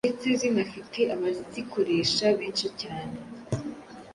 ndetse zinafite abazikoresha benshi cyane.